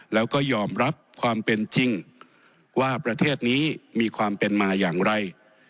แล้วก็ยอมรับความเป็นจริงว่าประเทศนี้มีความเป็นมาอย่างไร